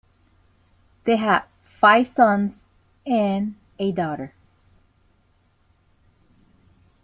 They had five sons and a daughter.